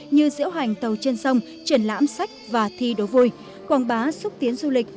như diễu hành tàu trên sông triển lãm sách và thi đố vui quảng bá xúc tiến du lịch